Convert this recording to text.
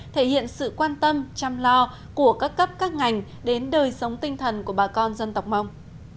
thể hiện sự quan tâm chăm lo của các cấp các ngành đến đời sống tinh thần của bà con dân tộc mông